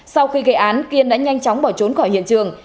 sau khi gây án kiên đã nhanh chóng bỏ trốn khỏi hiện trường